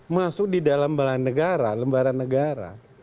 masuk di dalam lembaran negara